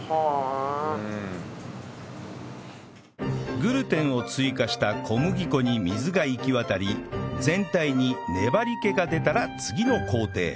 グルテンを追加した小麦粉に水が行き渡り全体に粘り気が出たら次の工程